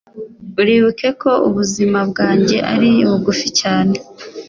uribuke ko ubuzima bwanjye ari bugufi cyane